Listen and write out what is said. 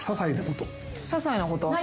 ささいなこと？